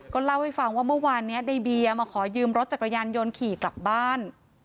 เล่าให้ฟังว่าเมื่อวานนี้ในเบียร์มาขอยืมรถจักรยานยนต์ขี่กลับบ้าน